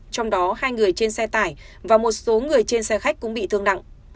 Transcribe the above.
trong đó hai người trên xe tải và một số người trên xe khách cũng bị thương nặng